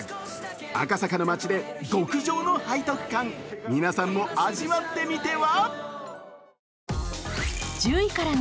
赤坂の街で極上の背徳感、皆さんも味わってみては。